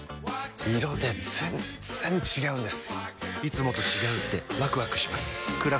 色で全然違うんです！